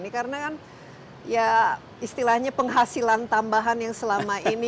karena istilahnya penghasilan tambahan yang selama ini